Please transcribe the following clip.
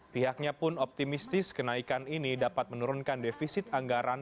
pihaknya pun optimistis kenaikan ini dapat menurunkan defisit anggaran